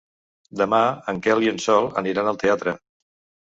Demà en Quel i en Sol aniran al teatre.